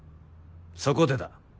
そこでだ。